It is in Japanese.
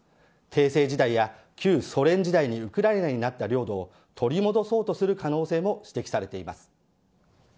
帝政時代や旧ソ連時代にウクライナになった領土を取り戻そうとする可能性も指摘されています。